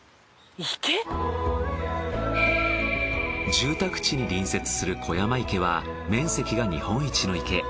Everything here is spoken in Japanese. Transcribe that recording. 住宅地に隣接する湖山池は面積が日本一の池。